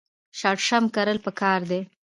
شړشم کرل پکار دي.